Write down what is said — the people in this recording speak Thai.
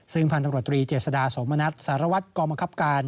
ซึ่งพันธบรตรีเจษฎาสมณัฐสารวัตรกองบังคับการ